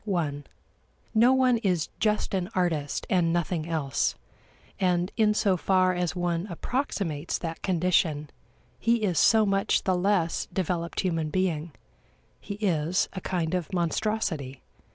(i) No one is just an artist and nothing else, and in so far as one approximates that condition, he is so much the less developed human being; he is a kind of monstrosity.